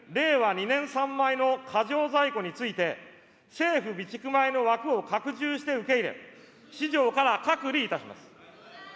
２年産米の過剰在庫について、政府備蓄米の枠を拡充して受け入れ、市場から隔離いたします。